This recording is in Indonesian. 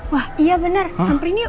wah iya bener sampai ini yuk